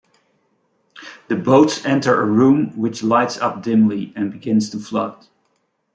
The boats enter a room which lights up dimly, and begins to flood.